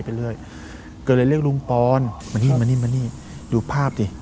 ก็เลยเรียกลุงปอนมานี่ดูภาพสิ